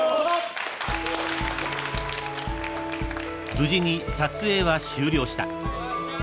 ［無事に撮影は終了した］